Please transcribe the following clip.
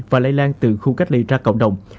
và lây lan từ khu cách ly ra cộng đồng